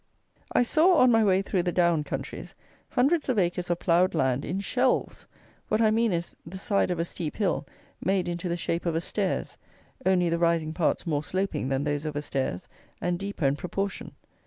I saw, on my way through the down countries, hundreds of acres of ploughed land in shelves. What I mean is, the side of a steep hill made into the shape of a stairs, only the rising parts more sloping than those of a stairs, and deeper in proportion.